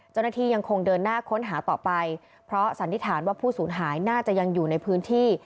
เจ้าหน้าที่ยังคงเดินหน้าค้นหาต่อไปเพราะสันนิษฐานว่าผู้สูญหายน่าจะยังอยู่ในพื้นที่